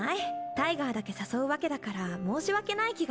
タイガーだけ誘うわけだから申し訳ない気がして。